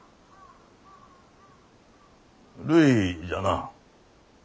るいじゃな？